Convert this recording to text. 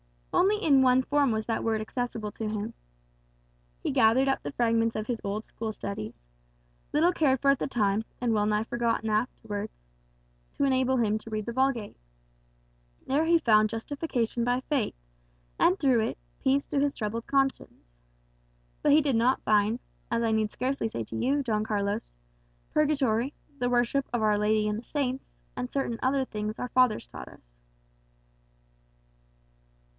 Only in one form was that Word accessible to him. He gathered up the fragments of his old school studies little cared for at the time, and well nigh forgotten afterwards to enable him to read the Vulgate. There he found justification by faith, and, through it, peace to his troubled conscience. But he did not find, as I need scarcely say to you, Don Carlos, purgatory, the worship of Our Lady and the saints, and certain other things our fathers taught us."